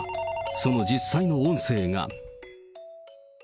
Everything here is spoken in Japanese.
その実際の音声が。